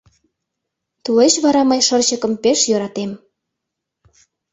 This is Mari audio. Тулеч вара мый шырчыкым пеш йӧратем.